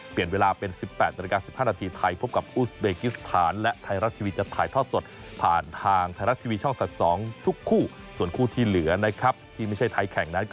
เปลี่ยนเวลาเป็นทางหน้ากาก๑๕น